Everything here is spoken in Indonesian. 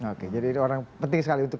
oke jadi orang penting sekali untuk